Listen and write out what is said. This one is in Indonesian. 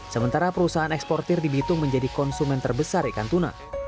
sementara perusahaan eksportir di bitung menjadi konsumen terbesar ikan tuna